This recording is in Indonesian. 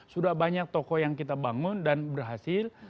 sudah banyak tokoh yang kita bangun dan berhasil